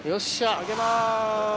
上げます。